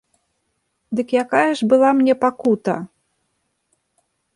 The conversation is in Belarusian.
Дык якая ж была мне пакута!